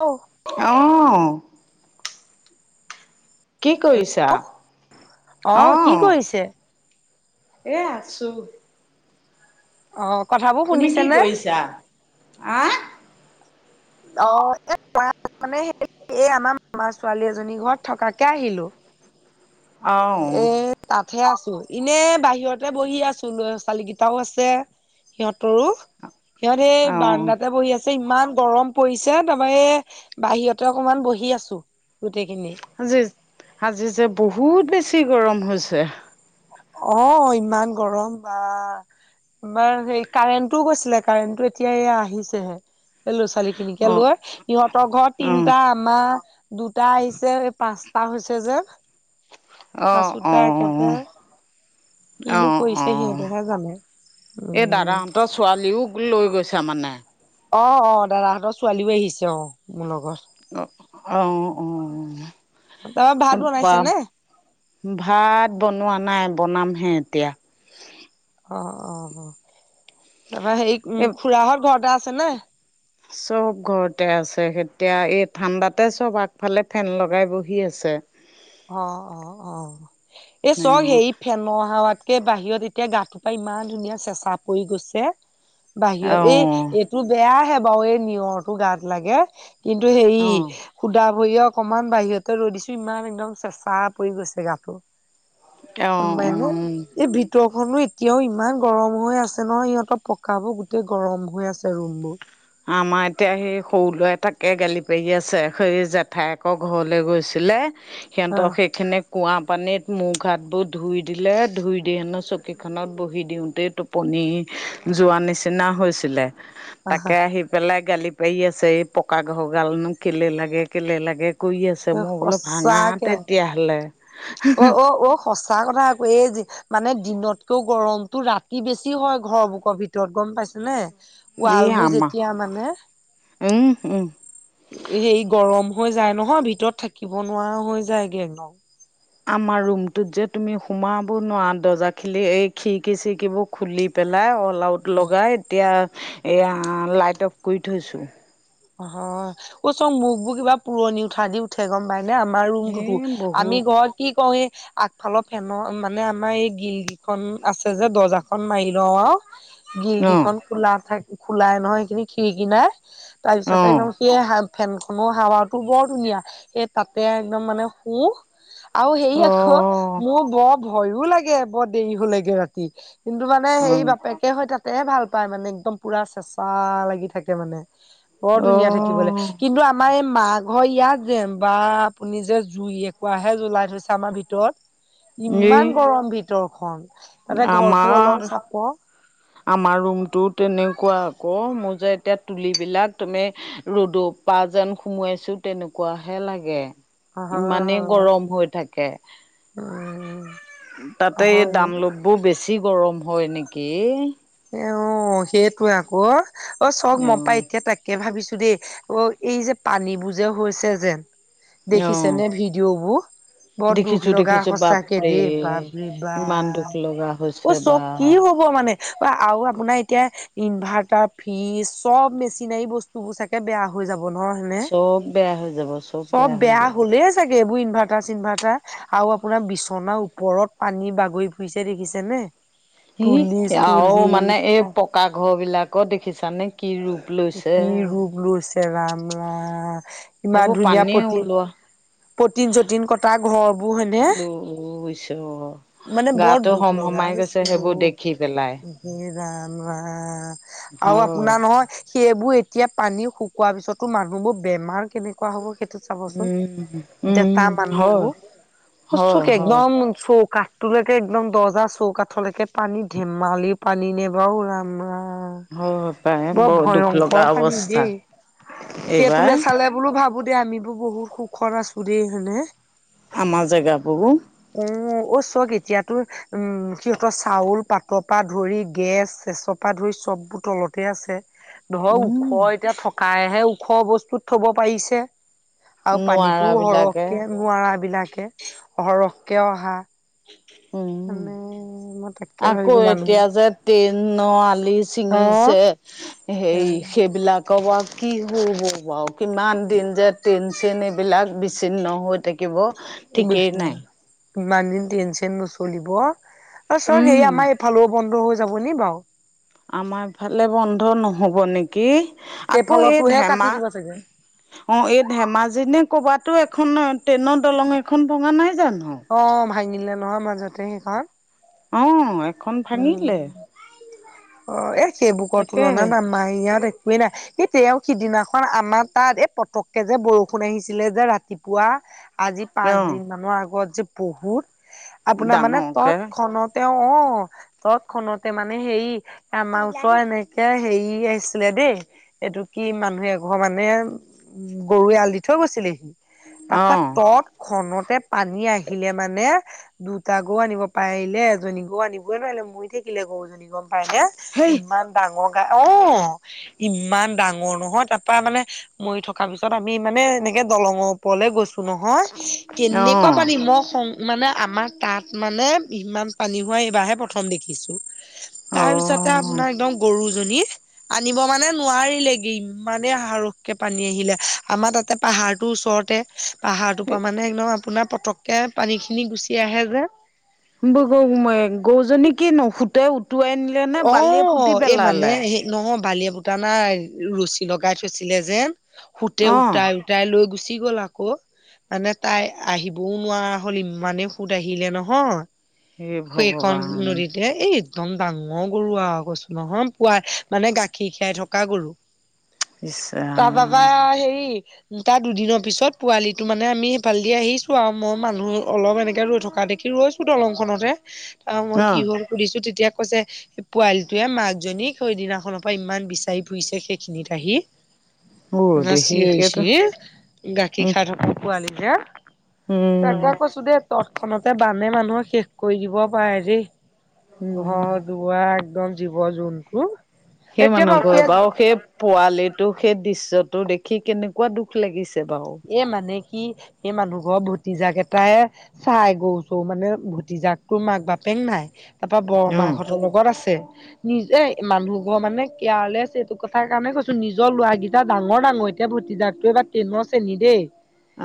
অঁ'। অ'। কি কৰিছা? অ। কি কৰিছে এ আছো। অ কথাবোৰ। তুমি শুনিছে কি নে? কৰিছা? হ। অ এইে এই আমাৰ মামাৰ ছোৱালী এজনীৰ ঘৰত থকাকে আহিলো। [inaudible] এ অ'। তাতহে আছো। এনে বাহিৰতে বহি আছো ল'ৰা ছোৱালী কেইটাও আছে। সিহঁতৰো, সিহঁত সেই অহ বাৰ্দাতে বহি আছে ইমান গৰম পৰিছে তাৰপাৰ এই বাহিৰতে অকমান বহি আছো গোটেইখিনি। আজি আজি যে বহুত বেছি গৰম হৈছে। অ ইমান গৰম বা। বা হে কাৰেণ্টটোও গৈছিলে কাৰেণ্টটো এতিয়া আহিছেহে। এই ল'ৰা ছোৱালী খিনিকে অ লৈ সিহঁতৰ ঘৰত অ তিনিটা আমা দুটা আহিছে পাঁচটা হৈছে যে। অ অ পাঁচোটা একেবাৰে কিনো অ', কৰিছে অ', সিহঁতেহে জানে এই উম দাদাহঁতৰ ছোৱালীও লৈ গৈছে মানে। অ অ দাদাহঁতৰ ছোৱালীও আহিছে অ মোৰ লগত। অ অ তাৰপৰা ভাত বনাইছে নে [unintelligible] ভাত বনোৱা নাই বনাম হে এতিয়া। অ অ অ তাৰপৰা হেৰি এই খুৰাহত ঘৰতে আছে নে? চব ঘৰতে আছে। এতিয়া এই ঠাণ্ডাতে চব আগফালে ফেন লগাই বহি আছে। অ অ অ অ এই অ চব হেৰি ফেনৰ হাৱাতকে বাহিৰত এতিয়া গাটোৰপা ইমান ধুনীয়া চেঁচা পৰি গৈছে। বাহিৰত এই এইটো বেয়াহে বাৰু এই নিয়ৰটো গাত লাগে। কিন্তু হেৰি অ সুধা ভৰিয়ে অকমান বাহিৰতে ৰৈ দিছো। ইমান একদম চেচা পৰি গৈছে গাটো। [unintelligible] উম [unintelligible] এতিয়াতো ইমান গৰম হৈ আছে নহয় সিহঁতৰ পকাবোৰ গোটেই গৰম হৈ আছে ৰুম বোৰ। আমাৰ এতিয়া সেই সৰু ল'ৰা। তাকে গালি পাৰি আছে সেই জেঠাই একৰ ঘৰলে গৈছিলে। সিহঁতক আহ সেইখিনি কুঁৱা পানীত মোখ হাতবোৰ ধুই দিলে, ধুই দি হেনো চকীখনত বহি দিওঁতেই তুপনি যোৱা নিচিনা হৈছিলে। আহা তাকে আহি পেলাই গালি পাৰি আছে এই পকা ঘৰ গালনো কেলে লাগে কেলে লাগে কৰি আছে। এ মই বোলো ভাঙা সঁচাকে তেতিয়াহ'লে। অ অ অ সঁচা কথা কৈয়ে যি মানে দিনতকেও গৰমতটো ৰাতি বেছি হয় ঘৰৰ বুকৰ ভিতৰত গম পাইছো নে। ই ৱাল বোৰ আমা যেতিয়া মানে উম উম হে গৰম হৈ যায় নহয় ভিতৰত থাকিব নোৱাৰা হৈ যায়গে একদম। আমাৰ ৰুমটোত যে তুমি সোমাব নোৱাৰা দজাখিলি এই খিৰিকী চিৰিকিবোৰ খুলি পেলাই অ'। পলাউত লগাই এতিয়া এইয়া লাইট অফ কৰি থৈছোঁ। অ চং মোকবোৰ কিবা পুৰণি উঠা দি উ ঠে গম পাইনে আমাৰ ৰুমটোতো এই আমি বহুত ঘৰত কি কৰে এ আগফালৰ ফেন মানে আমাৰ এই গিল কেইখন আছে যে দৰ্জাখন মাৰি লওঁ আৰু। অঁ খিৰিকিখন খোলা থাক খোলাই নহয় সেইখিনি খিৰিকি নাই তাৰ পিছতে অঁ একদম [inaudible] সেই [unintelligible] ফেনখনৰ হাৱাটো বৰ ধুনীয়া সেই তাতে একদম মানে শুওঁ। আৰু হেৰি আকৌ অঁ মোৰ বৰ ভয়ো লাগে বৰ দেৰি হলেগে ৰাতি। [unintelligible] কিন্তু মানে সেই অঁ বাপেকে হয় তাতে ভাল পায় মানে একদম পুৰা চেঁচা লাগি থাকে মানে। [inaudible] বৰ ধুনীয়া থাকিবলৈ অঁ কিন্তু আ [unintelligible] আমাৰ এই মা ঘৰ ইয়াত যে বা আপুনি যে জুই একোৱাহে জ্বলাই থৈছে আমাৰ ভিতৰত। [inaudible] এই ইমান গৰম ভিতৰখন তাতে ঘৰটো অলপ আমাৰ চাপৰ। [inaudible] আমাৰ ৰুমটো তেনেকুৱা আকৌ মোৰ যে এতিয়া তুলিবিলাক তুমি [unintelligible] ৰ'দৰ পা যেন সুমোৱাইছো তেনেকুৱাহে লাগে। হয় [unintelligible] ইমানেই হয় গৰম হৈ থাকে। [unintelligible] উম [inaudible] তাতে এই হয় দামলভবোৰ বেছি গৰম হয় নেকি? [unintelligible] অঁ! সেইটোৱেই আকৌ অ চব ম‌ই পাই অ', এতিয়া তাকে ভাবিছো দেই অ [inaudible] এই যে পানীবোৰ যে হৈছে যেন অ', দেখিছেনে ভিডিঅ'বোৰ? [inaudible] বৰ দুখ দেখিছো লগা দেখিছো সঁচাকে বাপৰে দেই বাপৰে ইমান দুখ বাপ। লগা অ হৈছে বা চব কি হ'ব [unintelligible] [inaudible] মানে আৰু আপোনাৰ এতিয়া ইনভাৰ্টাৰ, ফ্ৰিজ চব মেচিনাৰী বস্তুবোৰ চাগ চাগে বেয়া হৈ যাব ন হয় নে? চব বেয়া হৈ যাব চব হৈ বেয়া যাব হলেই [inaudible] চাগে এইবোৰ ইনভাৰটাৰ-চিনভাৰটাৰ [unintelligible] আৰু আপোনাৰ বিচনাৰ ওপৰত পানী বাগৰি ফুৰিছে দেখিছে নে? [unintelligible] [inaudible] আৰু মানে এই পকা ঘৰ বিলাকো দেখিছানে কি ৰূপ [unintelligible] কি ৰূপ লৈছে ৰাম-ৰাম সেইবোৰ ইমান ধুনীয়া পানী প্ৰতি [inaudible] ওলোৱা পটিন-চটিন কটা ঘৰবোৰ হয়নে। [inaudible] অ ঈশ্বৰ [inaudible] মানে বৰ দুখ লগা হৈছে দেখি পেলাই [inaudible] এ ৰাম-ৰাম আৰু হয় আপোনাৰ নহয় সেইবোৰ এ [unintelligible] এতিয়া পানী শুকোৱাৰ পিছতো মানুহবোৰ বেমাৰ কেনেকুৱা হ'ব সেই [inaudible] উম [inaudible] ডেকা হয় হয় মানুহবোৰ [inaudible] হয় একদম চৌকা। তোলৈকে একদম দৰ্জা চৌকাঠলৈকে পানী ধেমালি পানী নে বাৰু ৰাম-ৰাম। হয় পাই [inaudible] বৰ দুখ লগা ভয়ংকৰ পানী অৱস্থা দেই। সেই এইবাৰ তোলে চালে [unintelligible] বোলো ভাবো দে আমি বহুত সুখত আছো দেই হয় নে? [inaudible] আমাৰ জেগাবোৰ। [unintelligible] উম! অ চক এতিয়া তোৰ [unintelligible] উম! সিহঁতৰ চাউল পাতৰ পৰা ধৰি গেছ-চেচৰ পৰা ধৰি চববোৰ তলতে আছে। [unintelligible] ধৰক উম ওখ এতিয়া থকাইহে ওখ বস্তুত থব পাৰিছে আৰু পানীত [unintelligible] তো নোৱাৰা বিলাকে সৰহকে নোৱাৰাবিলাকে সৰহককে অহা [inaudible] উম মানে মই তাকে আকৌ ভাবিছো মানুহবোৰ এতিয়া যে [inaudible] ট্ৰেইনৰ আলি ছিঙিছে সেই-সেইবিলাক [unintelligible] ক'বা কি হব [inaudible] কিমান যে ট্ৰেইন-চেইন এইবিলাক [inaudible] চিন্ন হৈ থাকিব। [inaudible] ঠিকেই নাই [inaudible] ইমান দিন ট্ৰেইন-চেইন নচলিব। আৰু চ‌ওক সেই উম আমাৰ এইফালেও বন্ধ হৈ যাব নি বাৰু? [unintelligible] আমাৰ ফালে বন্ধ নহ'ব নেকি? আকৌ এই সেইফালতোহে কাটি ধেমা দিব চাগে [unintelligible] অঁ! এই ধেমাজি নে ক'বাতো এখন ট্ৰেইনৰ দলং এখন ভঙা নাই জানো? [inaudible] অঁ! ভাঙিলে নহয় মাজতে সেইখন। [inaudible] অ, এখন ভাঙিলে। উম অ, এই সেইবোকৰ তাকেহে তুলনাত আমাৰ ইয়াত একোৱেই নাই। সেই তেওঁ সিদিনাখন আমাৰ তাত, এই পতককে যে বৰষুণ আহিছিলে যে ৰাতিপুৱা। আজি পাঁচ অঁ দিন মানৰ আগত যে বহুত, আপোনাৰ মানে ডাঙৰকে তৎক্ষণত তেওঁ, অ, তত, খতে মানে হেৰি আমাৰ ওচৰ এনেকে হেৰি আহিছিলে, দেই এইটো কি মানুহে এঘৰ মানে, গৰুৱে আল দি থৈ গৈছিলেহি। তপা, অঁ তত খনতে, পানী আহিলে মানে, দুটা গৰু আনিব পাৰিলে। জনী, গৰু আনিবই নোৱাৰিলে, মৰি থাকিলে গৰু জনী গম পাইনে, সেই ইমান ডাঙৰ গায়। অ, ইমান ডাঙৰ নহয়, তাৰ পা, মানে মৰি থকাৰ পিছত আমি মানে, এনেকে দলঙৰ ওপৰলৈ গৈছো। নহয়, কেনেকুৱা অঁ পানী মই স, মানে আমাৰ তাত মানে ইমান পানী হোৱা এইবাৰহে প্ৰথম দেখিছো, তাৰ পিছতে অঁ আপোনাৰ একদম গৰুজনী আনিব মানে নোৱাৰিলেগে, ইমানে হাৰোক কে, পানী আহিলে, আমাৰ তাতে পাহাৰটোৰ ওচৰত। তে, পাহাৰটোৰ পৰা মানে একদম, আপোনাৰ পটক কৈ পানীখিনি গুচি আহে যে। ব, গৰুজনী কি নো, সুটে উটুৱাই নিলে নে, অ বালিয়ে পুতি এই মানে পেলালে। সেই নহয় বালিয় এ, পুটা নাই, ৰছী লগাই থৈছিলে যেন, সুতে অঁ উটাই তাই লৈ, গুচি গ'ল আকৌ। মানে তাই আহিবও নোৱাৰা হ'ল, ইমানেই সুত আহিলে নহয়। হে সেইখন ভগৱান নদীতে। এই একদম ডাঙৰ গৰু আৰু কৈছো নহয়, পুৱা, মানে গাখীৰ খীৰাই থকা গৰু। ইচ [inaudible] ৰাম হেৰি। তাৰ দুদিনৰ পিছত পোৱালিটো মানে, আমি সেইফালে দি আহিছো আৰু মই মানুহ অলপ এনেকে ৰৈ থকা দেখি ৰৈছো। দলংখনতে ত, মই কি অঁ হ'ল সুধিছো, তেতিয়া কৈছে পোৱালিটোৱে, মাক জনীক সেইদিনাখনৰ পৰা ইমান বিচাৰি ফুৰিছে সেইখিনিত আহি। অ ইমান দেহি সেইটো চিঞৰিছি, গাখীৰ উম খাই থকা পোৱালি হে। উম, তাকে কৈছো দেই, তত খনাতে বানে মানুহক শেষ কৰি দিব পাৰে দেই। উম ঘৰ- দুৱাৰ, একদম জীৱ-জন্তু। সেই মানুহ ঘৰে বাৰো সেই পোৱালিটো সেই দৃশ্যটো দেখি কেনেকুৱা দুখ লাগিছে বাৰু। এই মানে কি, সেই মানুহঘৰ ভতি জাক এটাই চাই গও-চও মানে, ভতিজাক তো, মাক-বাপেক নাই। তাৰপৰা, বৰ মাক অঁ হতৰ লগত আছে। নিজে, মানুহ ঘৰ মানে কেয়াৰলেছ এইটো কথা কাৰণে কৈছো, নিজৰ লৰাকেইটা ডাঙৰ, ডাঙৰ এ এতিয়া ভতিজাক টো এবাৰ ট্ৰেইনৰ শ্ৰেণী দেই,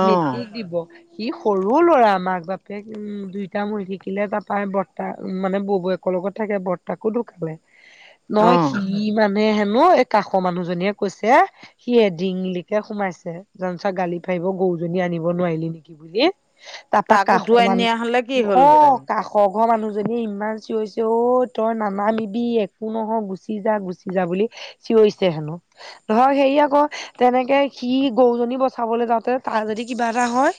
অঁ মেট্ৰিক দিব। সি, সৰু ল'ৰা মাক-বাপেক উম, দুইটা মৰি থাকিলে, তাপা বৰ্তা, মানে ববৈ লগত থাকে, বৰ্তাকো ঢুকালে, নহয় অঁ সি ইমান নে, হেনো এই কাষৰ মানুহজনীয়ে কৈছে, সিয়ে ডিঙি লৈকে সোমাইছে। জানচা গালি পাৰিব গৰুজনী আনিব নোৱাৰিলি, নেকি বুলি। তাপা তাক কাষ উটুৱাই মানুহ নিয়া হ'লে কি অ, হ'লহেঁতেন। কাষ [inaudible] মানুহজনীয়ে ইমান চিঞৰিছে অ, তই নানামিবি একো নহয়, গুচি যা, গুচি যা, বুলি। চিঞৰিছে হেনো, ধৰক হেৰি আকৌ তেনেকে সি গৰুজনী বচাবলৈ যাওঁতে তাৰ যদি কিবা এটা হয়,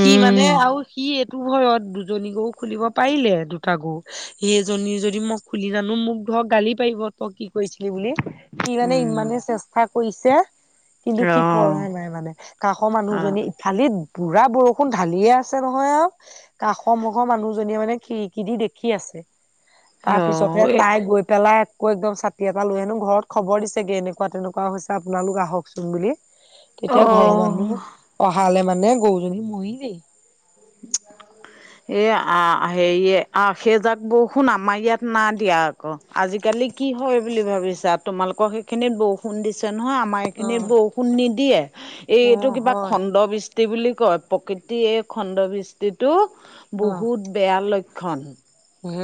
সি মানে আৰু সি ইটো ঘৰত দুজনী গৰু খুলিব পাৰিলে দুটা গৰু সেইজনী যদি মোক- খুলি জানো মোক ধৰ গালি পাৰিব তই কি কৰিছিলি বুলি। সি মানে উম। ইমানে চেষ্টা কৰিছে, কিন্তু সি- পৰা অ', নাই মানে। কাষৰ অ', মানুহজনী ইফালে বুঢ়া বৰষুণ ঢালিয়ে আছে নহয় আৰু। কাষৰ মুখৰ মানুহজনীয়ে মানে খিৰিকি দি দেখি আছে। তাৰ পিছতে এ তাই গৈ পেলাই- কৈ একদম চাতি এটা লৈ আনো, ঘৰত খবৰ দিছেগে এনেকুৱা তেনেকুৱা হৈছে আপোনালোক আহকচোন বুলি। তেতিয়া ঘৰৰ মানুহ অ'। অহালে মানে গৰুজনী মৰিলেই। এ' আঁহ হেৰিয়ে আঁহ সেইজাক বৰষুণ আমাৰ ইয়াত নাই দিয়া। আজিকালি কি হয় বুলি ভাবিছা তোমালোকৰ সেইখিনিত বহু- বৰষুণ দিছে নহয়, আমাৰ অ এইখিনিত বৰষুণ নিদিয়ে। অ এইটো কিবা হয় খণ্ড খণ্ডবৃষ্টি- বুলি কয়, প্ৰকৃতিয়ে খণ্ডবৃষ্টিটো বহুত বেয়া লক্ষণ। হুম।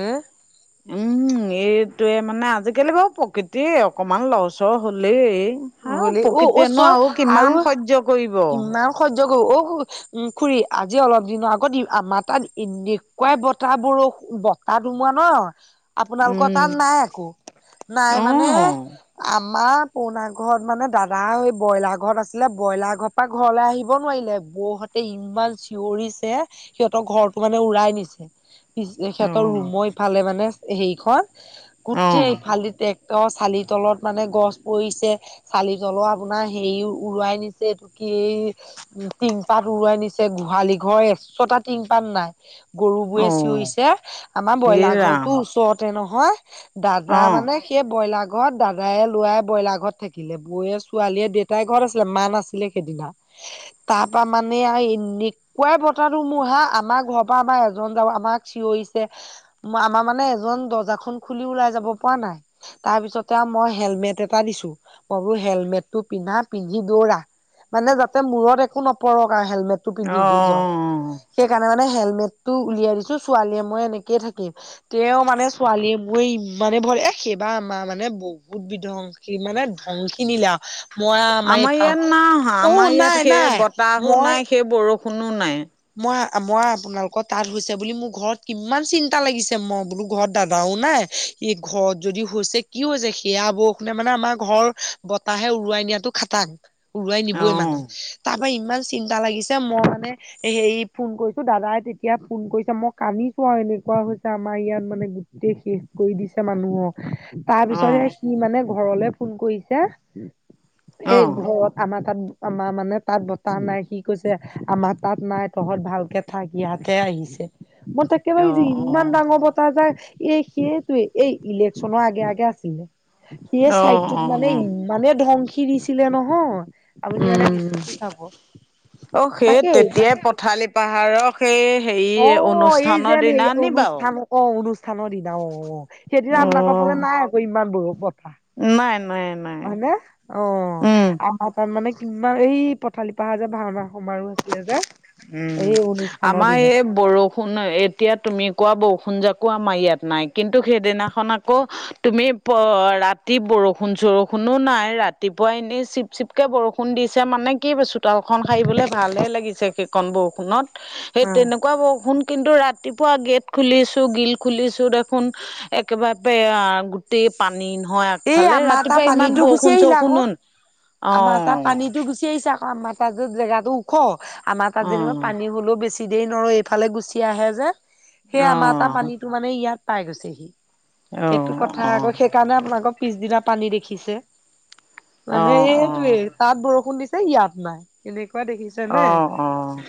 উমঁ। উম' এইটোয়ে মানে, আজিকালি বাৰু প্ৰকৃতিয়ে অকণমান লৰচৰ হ'লেই। আৰু হলে অ অ প্ৰকৃতিয়ে চোৱা নো আৰু কিমান সহ্য কৰিব। কিমান সহ্য কৰিব। উম' খুুৰী, আজি অলপ দিনৰ আগত আমাৰ তা'ত এনেকুৱাই বতাহ, বৰষুণ তা'ত সোমোৱা ন' আপোনালোকৰ উম তা'ত নাই আকৌ। নাই অ মানে আমাৰ পনা- ঘৰত মানে দাদা ব্ৰইলাৰ ঘৰত আছিলে ব্ৰইলাৰ ঘৰৰ পৰা ঘৰলৈ আহিব নোৱাৰিলে। বৌ- তে ইমান চিঞৰিছে সিহঁতৰ ঘৰটো মানে উৰাই নিছে। সিহঁতৰ ৰুম ইফালে মানে হেৰিখন অ গোটেই অ ইফালে দি- তেওঁ চালি তলত মানে গছ পৰিছে। চালি জলোৱা আপোনাৰ হেৰি উৰুৱাই নিছে। এইটো কি এই- টিং পাত উৰুৱাই নিছে, গোহালি ঘৰ এচটা টিং পাত নাই। গৰু বোৰে অ চিঞৰিছে, আমাৰ এ ব্ৰইলাৰ ঘৰটো ৰাম ওচৰতে নহয়। দাদা অ মানে- সেই ব্ৰইলাৰ ঘৰত দাদাই লোৱাই ব্ৰইলাৰ ঘৰত- থাকিলে। বৌয়ে ছোৱালীয়ে দেউতাই ঘৰত আছিলে মাঁ নাছিলে সেইদিনা। তাৰ পৰা মানে আৰু এনে- কুৱা বতাহ- ধুমুহা, আমাৰ ঘৰৰ পৰা আমাৰ এজন যাও আমাক চিঞৰিছে। আমাৰ মানে এজন দৰ্জাখন খুলি ওলাই যাব পৰা নাই। তাৰ পিছতে আৰু মই হেলমেট এটা দিছো। ক'লো হেলমেট টো পিন্ধা-পিন্ধি দৌৰা, মানে যাতে মূৰত একো নপৰক আৰু হেলমেট- টো পিন্ধি অ যাওঁক। সেইকাৰণে মানে হেলমেটটো উলিয়াই দিছো ছোৱালীয়ে মই এনেকৈয়ে থাকিম। তেওঁ মানে ছোৱালীয়ে মোৰে ইমানে ভয় লাগে, এ' সেইবা আমাৰ মানে বহুত বিধংস। সি মানে ধ্বংসি নিলে আৰু। মই আও আমাৰ ইয়াত নাই অহা, আমাৰ ইয়াত সেই নাই বতাহো নাই, সেই বৰষুণো নাই। মই-মই আপোনালোকৰ তা'ত হৈছে বুলি মোৰ ঘৰত কিমান চিন্তা লাগিছে মই বোলো ঘৰত দাদাও নাই। এই ঘৰত যদি হৈছে, কি হৈছে, সেয়া বৰষুণে মানে আমাৰ ঘৰ বতাহে উৰুৱাই নিয়াটো খাটাং। তাক উৰুৱাই অ নিবই মানে। তাৰ পৰা ইমান চিন্তা লাগিছে মই মানে- হেৰি ফোন কৰিছো দাদাই তেতিয়া ফোন কৰিছে মই কান্দিছো আৰু এনেকুৱা হৈছে আমাৰ ইয়াত মানে। গোটেই শেষ কৰি দিছে মানুহক। তাৰ অ পিছতে সি মানে ঘৰলে ফোন কৰিছে। অ এই ঘৰত আমা তা'ত আমাৰ মানে তাত বতাহ নাই কি কৈছে আমা, তাত নাই তহঁত ভালকে থাক ইহতে আহিছে মই তাকে অ অ ভাবিছো ইমান ডাঙৰ ব, যাক এই সেইটোৱে এই ইলেকশনৰ আগে আগে আছিল, সি ই অ চাইডটোত অ মানে অ ইমানে ধ্বংসী দিছিলে নহয়, আপুনি মানে বিচুটি খাব! অঁ, সেই তাকেই তেতিয়াই পথালে, পাহাৰক সেই হেৰি অ এই অনুষ্ঠানৰ যেন দিনা হেৰি নি বা ও, অনুষ্ঠান অ অনুষ্ঠানৰ দিনা অ সেইদিনা অ আমাৰাকৰ ফালে নাই আকৌ ইমান বৰ পথা নাই নাই ন হয়নে অ আমাৰ তাত মানে কিমান এই পথালি পাহাৰ যে ভাওনা সমাৰো আছিলে যে উম এই অনুষ্ঠানৰ আমাৰ এই দিনত বৰষুণ এতিয়া তুমি কোৱা বৰষুণ জাকো আমাৰ ইয়াত নাই কিন্তু সেইদিনাখন আকৌ তুমি প ৰাতি বৰষুণ চৰষুণো নাই ৰাতিপুৱা এনেই চি চিপকে বৰষুণ দিছে মানে কি চোতালখন সাৰিবলে ল সেইখন বৰষুত সেই অ তেনেকুৱা বৰষুণ কিন্তু ৰাতিপুৱা গেট খুলিছো গিল খুলিছো দেখোন একেবাৰে গোটেই পানী নহয় এই আগফালে আমাৰ তাৰ ৰাতিপুৱা ইমান পানীতো গুচি বৰষুণ আহিলে আকৌ চষুণ, [unintelligible] অঁ আ আমাৰ তাত যে জেগাতটো ওখ আমাৰ তাত যেনিবা পানী অ হ'লেও বেছি, [unintelligible] এইফালে গুচি আহে যে সেই অ আমাৰ এটা পানীতটো মানে ইয়াত পাই গৈছেহি, সেইটো কথা অ অ আকৌ [unintelligible] সেইকাৰণে আপোনাল আকৌ পিছদিনা পানী দেখিছে মানে অ', এইটোয়ে, অ', তাত বৰষুণ দিছে ইয়াত নাই এনেকুৱা দেখিছে নে, অ', অ'।